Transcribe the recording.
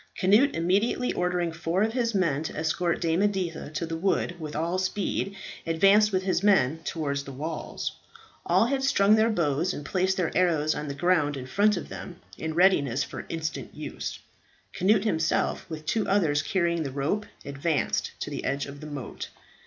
Cnut immediately ordering four of his men to escort Dame Editha to the wood with all speed, advanced with his men towards the walls. All had strung their bows and placed their arrows on the ground in front of them in readiness for instant use. Cnut himself, with two others carrying the rope, advanced to the edge of the moat.